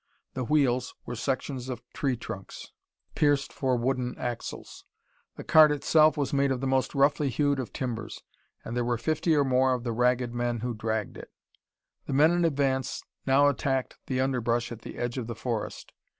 The wheels were sections of tree trunks, pierced for wooden axles. The cart itself was made of the most roughly hewed of timbers. And there were fifty or more of the Ragged Men who dragged it. The men in advance now attacked the underbrush at the edge of the forest.